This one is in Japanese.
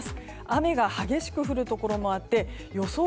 雨が激しく降るところもあって予想